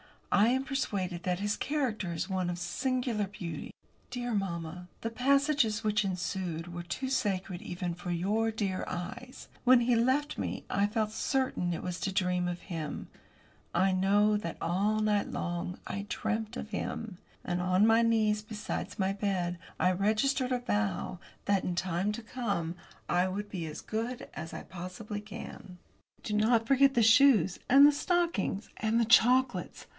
I am persuaded that his character is one of singular beauty. Dear mamma, the passages which ensued were too sacred even for your dear eyes. When he left me I felt certain it was to dream of him. I know that, all night long, I dreamt of him. And, on my knees, beside my bed, I registered a vow that, in the time to come, I will be as good as I possibly can. Do not forget the shoes, and the stockings, and the chocolates!